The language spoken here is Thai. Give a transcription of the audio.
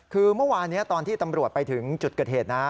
คือเมื่อวานนี้ตอนที่ตำรวจไปถึงจุดเกิดเหตุนะ